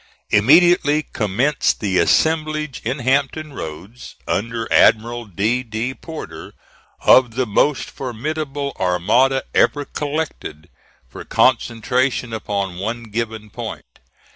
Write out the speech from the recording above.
Immediately commenced the assemblage in Hampton Roads, under Admiral D. D. Porter, of the most formidable armada ever collected for concentration upon one given point.